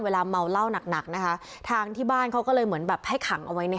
เวลาเมาเหล้าหนักหนักนะคะทางที่บ้านเขาก็เลยเหมือนแบบให้ขังเอาไว้ในค